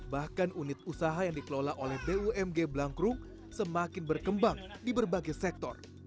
bahkan unit usaha yang dikelola oleh bumg blangkrum semakin berkembang di berbagai sektor